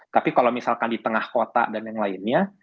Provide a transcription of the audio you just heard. tapi kalau misalkan di tengah kota dan yang lainnya